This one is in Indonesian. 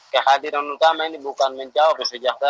kehadiran utama ini bukan menjawab kesejahteraan